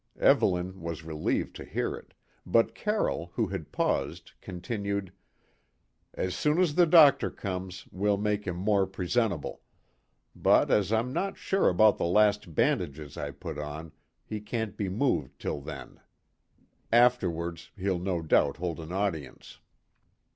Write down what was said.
Evelyn was relieved to hear it; but Carroll, who had paused, continued: "As soon as the doctor comes, we'll make him more presentable; but as I'm not sure about the last bandages I put on, he can't be moved till then. Afterwards, he'll no doubt hold an audience."